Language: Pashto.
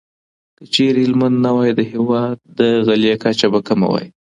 که چيرې هلمند نه وای، د هېواد د غلې کچه به کمه وه.